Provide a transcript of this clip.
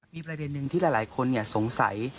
มีประเด็นหนึ่งที่หลายคนสงสัย